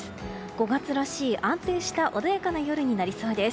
５月らしい安定した穏やかな夜になりそうです。